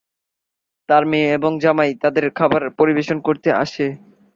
তার মেয়ে এবং জামাই তাদের খাবার পরিবেশন করতে আসে।